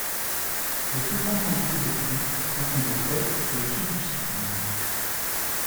Les plus grandes quantités de pluie sont tombés près et au sud du cyclone.